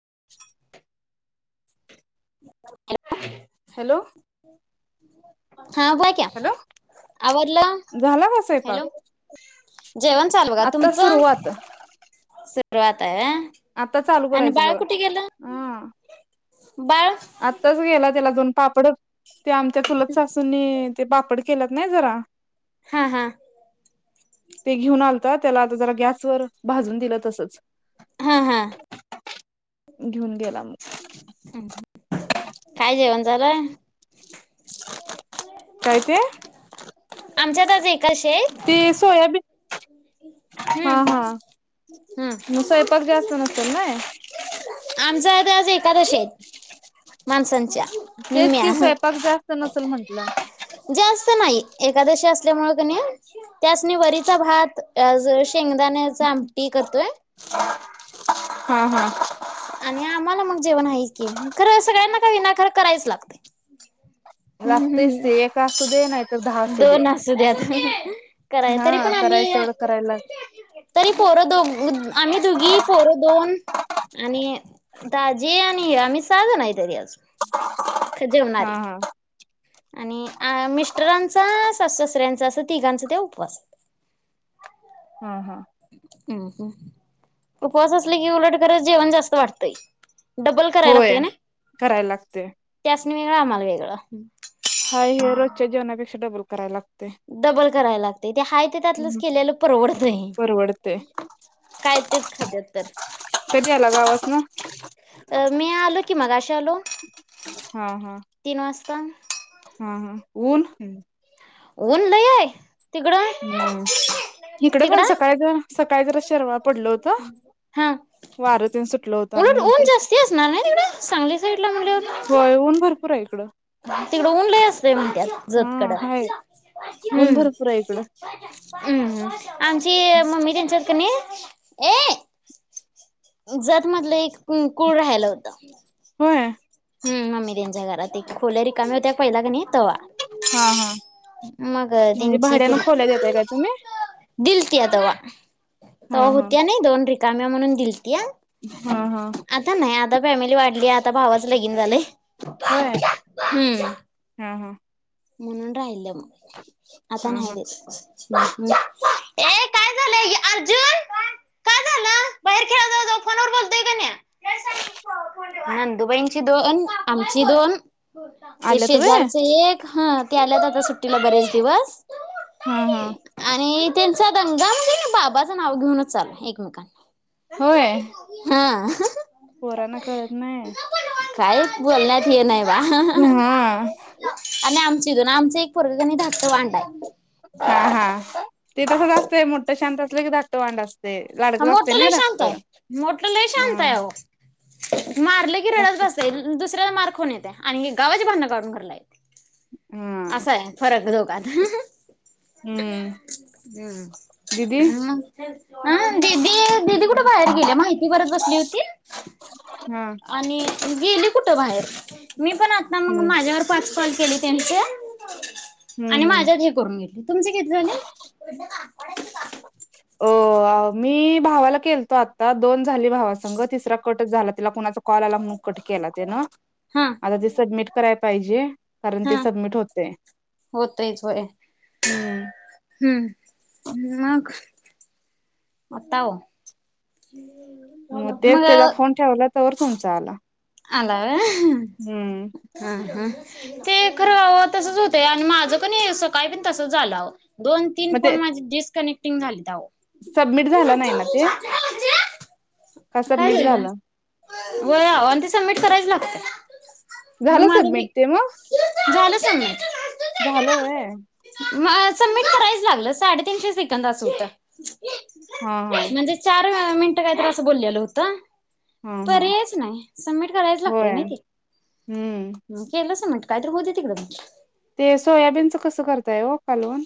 [unintelligible] [unintelligible] [unintelligible] Hello [unintelligible] हा बोला की आवरलं झाला का स्वयंपाक हॅलो जेवण चालू बघा, आता तुमचं? सुरुवात [unintelligible] आता चालू आणि करायचं बाळ बघा कुठे गेलं हं बाळ आत्ताच गेला त्याला दोन पापड ते आमच्या चुलत सासूंनी ते पापड केलत नाही जरा हा. हा. ते घेऊन आलता त्याला आता जरा गॅसवर भाजून दिल तसंच. हा. हा. घेऊन गेला. मग हम्. काय जेवण झाल? काय ते? आमच्यात ते सोयाबीन. हा हम् हा हम मग स्वयंपाक जास्त नसेल ना आमच आता आज एकादशी आहेत. मानसं न त्या तेच की स्वयंपाक जास्त नसेल म्हंटलं. जास्त नाही एकादशी असल्यामुंळकणी त्यासनी वरीचा भात [unintelligible] शेंगदाण्याचा आमटी करतोय. हा. हा. आणि आम्हाला मग जेवण आहे की खरं सगळ्यांना का विनाकारण करायच लागते. हम्म लागतेच हम्म ते ए असू दे नाही तर दहा असू दे. दोन [unintelligible] कराय हा तरी पण आम्ही करायचं एवढं करायला तरी पोरं दोघ आम्ही दोघी पोरं दोन आणि दाजीआणि आम्ही सहा जण आहेतरी आज. खरं जेवणारी. हा हा आणि अ मिस्टरांचा सासू सासऱ्यांचा अस तिघांचा ते उपवासम् हा हा ह् उपवास असले कि उलट खरंच जेवण जास्त वाटतंय. डबल करायला होय. करायला लागतेय.. नी आम्हाला वेगळं. च्या जेवणापेक्षा डबल करावं लागत. डबल करायला लागतंय ते हाय ते त्यातलंच केलेलं परवडतंय, परवडते काय तेच खात्यात. तर. कधी आला गावासनं.? अ मी आलो की मगाशी आलो. हा हा तीन वाजता. हा हा. ऊन. ऊन लय हाय. हम्म इकड पण तिकडं सकाळधर सकाळी जरा शेरवाळ पडलं होतं, हा वारं तेन सुटलं होतं. आणि उलट ऊन नंतर जास्ती असणार नाय तिकडं, सांगली साईड ला म्हंटल्यावर. होय ऊन भरपूर आहे इकडं तिकड उन लय असतंय म्हणत्यात हा जत कड. हाय ऊन भरपूर आहे इकडं हम्म आमची मम्मी त्यांच्यात ने ये जतमधलं एक. ह कुळ राहायला होतं. होय हम मम्मी त्यांच्या घरात एक खोल्या रिकाम्या होत्या पहिला की नाही. तवा हा हा मग म्हणजे त्यांची भाड्यानं खोल्या देताय पोरगी काय तुम्ही दिलत्या तवा. हा तवा हा होत्या नाही दोन रि काम्या म्हणून दिल त्या. हा हा आता नाही आत ता फॅमिली वाढली आता भावाचं लगीन झालंय. होय हम्म हा हा. म्हणून राहिल्या मग. आता हा नाही हा देेत. ए काय झालंय? अर्जुन काय झालं? बाहेर खेळा जावा जावा फोनवर बोलतोय का नाही? नंदू बाईंची दोन, आमची दोन. ते आल्यात व्हय शेजारच एक. हा ते आल्यात आता सुट्टीला बऱ्याच दिवस. हा हा आणि ते. त्यांचा दंगा म्हणजे बाबाचं नाव घेऊनच चालू हाय एकमेकांना. होय हा. पोरांना कळत नाय काय बोलण्यात हे नाय हा आणि आमची दोन आमच एक पोरग कणी धाकट वांड आहे हा हा ते तसच असतय मोठ शांत असतय धाकट वांड असतय. मोठ लई शांत आहे मोठा लय शांत हा आहे आहो मारले की रडत धाकटं बसायचं. आणि दूस ही जरा मार खाऊन येत्या आणि हे गावाची भांडण काढून घरला येत्या. हा असाय फरक दोघात हम्म दिदी हा दीदी दीदी कुठे बाहेर गेले माहिती भरत बसली होती हा आणि गेली कुठं बाहेर मी पण आता ना मग हम्म माझ्यावर पाच कॉल केली त्यांच्या [inaudible] हम्म आणि हम्म माझ्यात हे करून घेतले तुमचे किती झाल अ मी भावाला केलतो आता दोन झाली भावा संघ तिसरा कटच झाला तिला कुणाचा कॉल आला म्हणुन कट केला त्यानं हा आता ते सबमिट करायला पाहिजे कारण ते हा सबमिट होतय, होतयच होय हम हम्म मग आता हो मग तेच त्याचा फोन ठेवला तवर तुमचा आला आलाय व्हय हम्म हा हा ते खरं बा तसच होतंय आणि माझं कणी पण सकाळी पण तसच झालंय आओ दोन तीन मग ते फोन माझं डिस्कनेक्ट तीन झालं त्या खरं [unintelligible] सबमिट झालं नाही ना ते का काय सबमिट झालं? व्हय [unintelligible] झालं सबमिट ते मग? झालं झालं व्हय मग सबमिट करायच लागलं साडेतीनशे सेकंदाचं होतं हा हा दहा मिनटं काहीतरी असं बोललेलं होतं. हा हा पर्यायच नाही सबमिट करायच होय लागतय नाही ते हम्म झाल सबमिट कायतरी होऊ दे तिकड ते सोयाबीनचं कसं करताय हो कालवन?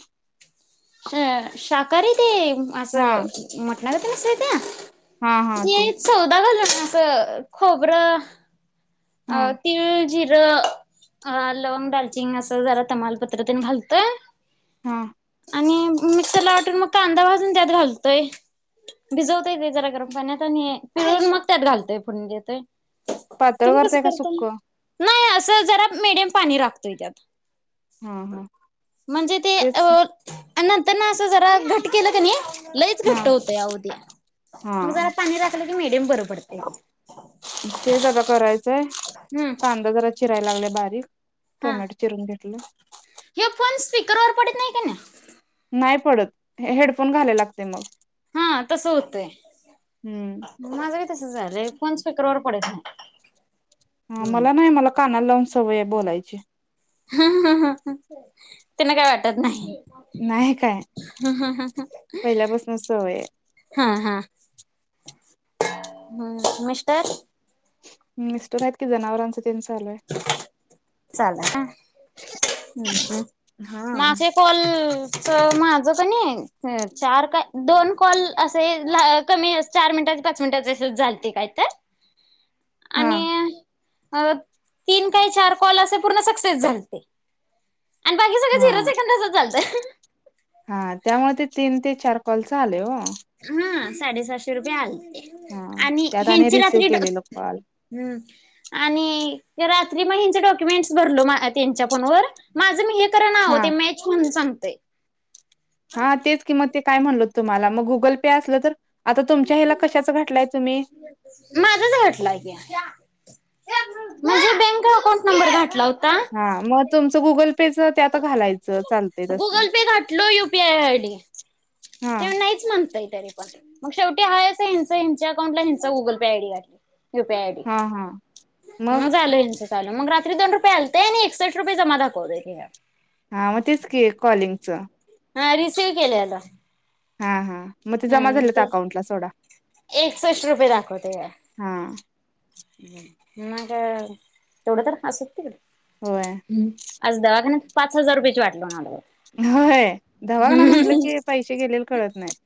अ शाकाहारी ते हम् हा असं हा हा [unintelligible] की ते सौदा घालना असं खोबरं हा अ तीळ, जीर लवंग, दालचिंनी अस जरा तमालपत्रा तेन घालतोय. हं आणि मिक्सरला वाटून, मग कांदा भाजून त्यात घालतोय, भिजवतोय ते जरा गरम पाण्यात आणि पिळून मग त्यात घालतोय, फोडणी देतोय. पातळ करताय का सुक्क? तर जरा मीडियम पाणी राखतोय त्यात. हा हा म्हणजे ते तेच अ् आणि नंतरन असं जरा घट्ट केलं कनी लयच हा घट्ट होतंय अओ ते, हा मग जरा पाणी राखलं की मीडियम बर- पडतंय. ते जरा करायचंय हम्म कांदा जरा चिराय लागलेय बारीक. हा टोमॅटो चिरून घेतलं. हे फोन स्पीकरवर पडत नाही कनी नाही पडत. हेडफोन घालाय लागतय मग हा तस होतय. हम्म माझं तस झालंय फोन स स्पिकरवर पडत नाह हा मला नाही मला कान नाला लावून सवय हाय, बोलायची. तेन काय वाटत नाही. नाही काय पहिल्यापासून सवय हाय. हम मिस्टर? मिस्टर आहेत की, जनावरांच तेन‌ चालू हाय. चालू हाय. हा माझे काॅल त माझं कनी ह चार का दोन कॉल असे कमी चार मिनटात पाच मिनटच झालते काय तर. हा आणि अ तीन काही चार पू पूर्ण सक्सेस झालते. आणि बाकी सगळं हा झिरो हा सेकंदाच चालतं. हा त्यामुळे ते तीन ते चार कॉल चालू आहे ओ. हा साडेसहाशे रुपये आले. हा आणि त्यात यांची रिसिव्ह रात्री, केलेलं कॉल हम् आणि रात्री म हचे डॉक्युमेंट्स भरलो त्यांच्या फोनवर माझं मी हे- हा - [unintelligible] मॅच म्हणून सांगतोय. हा तेच किंमत ते, काय म्हणलो तुम्हाला मग गुगल पे असलं तर, आता तुमच्या हिला कशाच घटलाय तुम्ही माझ्या बँक अकाउंट नंबर घातला होता हा मग तुमचं गुगल पे च त्यात घालायचं चालतंय तसं गुगल पे घातलो युपीआय आय डी हा ते नाहीच म्हणताय तरी पण मग शेवटी हाय अस हिच ह्याच्या अकाउंट ला हिंच गुगल पे आयडी घातली युपी आय आयडी हा हा मग झाल यांच मग रात्री दोन रुपये आलते आणि एकसष्ट रुपये जमा दाखवत हा मग तेच की कॉलिंगचं हा रिसीव केलयं आता हा हा मग ते जमा झाले त्या अकाउंटला सोडा एकसष्ट रुपये दाखवतयं हा मग तेवढं तर असुदे तिकड होय हम्म आज दवाखान्यात पाच हजार रुपयांची वाट लावुन आलो बगा होय दवाखाना म्हणलं की पैसे गेलेले कळत नाहीत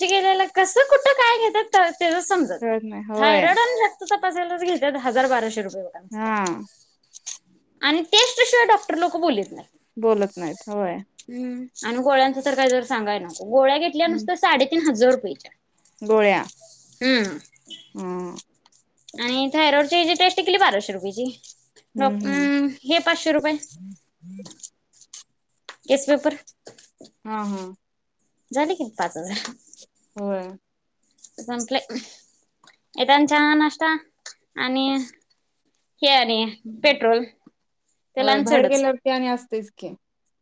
पैसे गेलेले कस कुठ काय घेतात कळत तेच समजत नाही कळत होय थायरॉईड आणि ते तपासायला घेतात हजार बाराशे रुपये बघा नुसता हा आणि टेस्टशिवाय डॉक्टर लोक बोलित नाहीत बोलत नाहीत होय आणि गोळ्यांचं तर काही दर सांगाय नको गोळ्या घेतल्या नुसत साडेतीन हजार रुपययाच्या गोळ्या हम्म हम्म आणि थायरॉइड ची जी टेस्ट केली बाराशे रुपयेची हम्म हे पाचशे रुपये केस पेपर हा हा झालं की पाच हजार होय येताना चहा नाश्ता आणि हे आणि पेट्रोल त्याला होय बाहेर गेल्यावरती आणि अस तेयच की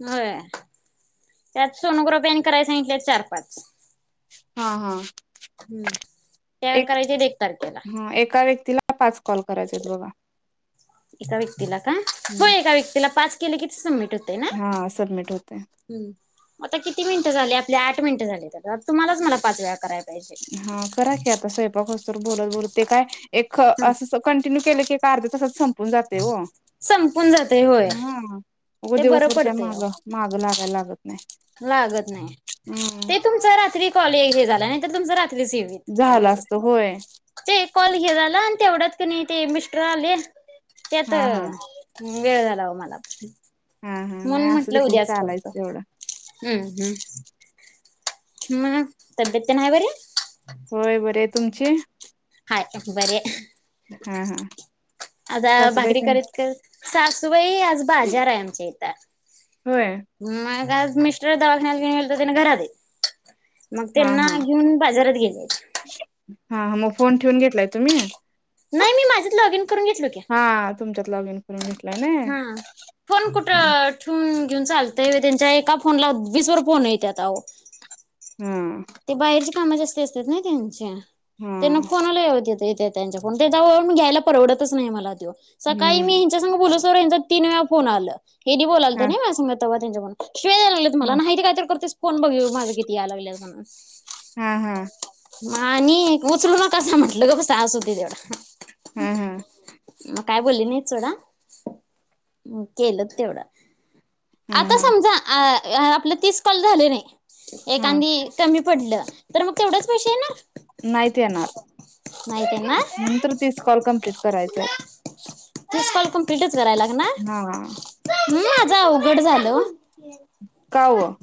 हो त्यात सोनोग्राफी कराय सांगितलेत चार पाच हा, हा. हम्म त्या एक करायच्या तारखेला. एका व्यक्तीला पाच कॉल करायचे आहेत बघा. एका व्यक ला का? हो हम्म एका व्यक्तीला पाच केले किती सबमिट? [unintelligible] ना? हा सबमिट होते हं. आता किती मिनिटं झाल्यात? आठ मिनट झालेत आता तुम्हालाच मला पाच वेळा कराय हा, करा की आता स्वयंपाक होस्तोवर बोलत, बोलत ते काय एक असं कंटिन्यू केलं की एक अर्ध्या तासात सं पुन जातंय ओ. संपून जातय होय. हा उग ते बरं दिवसभरच्या पडतंय आओ मागं माग लागाय लागत नाही लागत नाही, हम्म ते तुमच रात्री कॉल हे झालाय ते तुमचं रात [unintelligible] झालं असत व्यवस्थित, होय ते कॉल हे झालं तेवढंच कनई ते मिस्टर आले त्यात हा हा वेळ झाला हो मला. हा हा म्हणून नाही असं म्हटलं देखील उद्याच चालायच करतो. तेवढं हम्म, हम्म. मग तब्येत तेन हाय बरी? होय बरी हाईत तुमची हाय बरी हाय. हा हा आता सासूबाई भाकरी तेन करत, करत सासूबाई आज बाजार आहे आमच्या इथं. होय मग? आज मिस्टर दवाखान्याला घेऊन गेलत तेनी घरात हाईत. मग हा त्यांना हा घेऊन बाजारात गेलेत. हा मग फोन ठेवून घेतलाय तुम्ही? नाही मी माझेच लॉग इन करून घेतलो की. लाँगीन करुन घे हा. फोन कुठ ठेवून घेऊन चालतय होय, त्यांच्या एका फोनला वीस भर फोन येत्यात आवो. हा ते बाहेरची कामं जास्ती असत्यात णा त्यांच्या हा त्यांन फोनला यावत्यात [unintelligible] घेत्याय तेंच्याकडुन त्यांच्याजवळून घ्यायला परवडतच नाही आम्हाला. सकाळी मी हम्म हेंच्या संग बोलच तर यांचा तीन वेळा फोन आला. हेन्री बोलालंत हा नय माझ्या संग तवा [unintelligible] हम [inaudible] शिव्या द्यायला लागलेत मला हा नाहीत कायतरी करतेस फोन बघ माझं किती याया लागल्यात मला. [unintelligible] हा हा मानी मोचल ना [unintelligible] कसं म्हटलं ग बसा असुदे तेवढ हम् हम्. मग काय बोलली नाहीत सोडा--केलं तेवढं. हा आता हा समजा अ आपले तीस कॉल झाले नाही. हा एखांदी कमी पडलं, तर मग तेवढच पैशे येणार? नाहीत येणार, नाही त्यांना नंतर तीस कॉल कमप्लीट करायच आहेत. कमप्लिटच कराय हा लागणार--हम्म. जाऊ [unintelligible] कट झालं. कावं?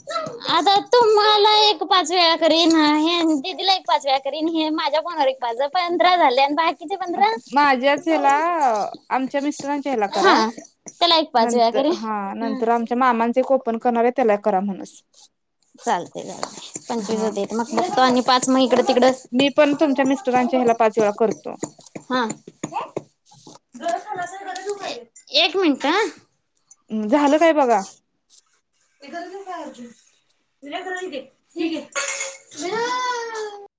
आता तुम्हाला एक पाच वेळा करीन, हे दिदीला एक पाच वेळा करीन, हे माझ्या फोनावर एक पाच वेळा, हे पंधरा झाले आणि बाकी माझ्याच ह्याला हं, आमच्या मिस्टरांच्या ह्याला करा, हा त्याला एक पाच वेळा नंतर करीन हा नंत तर आमच्या मामांचे ओपन करणार त्यालाय करा म्हण चालतेग पंचवीस होतेेत मग पाच महिने मी पण तुमच्या मिस्टरांच्या ह्याला पाच वेळा करतो. हा एक मिनट हं झालं काय बघा. ते क करते ठीक आहे [unintelligible]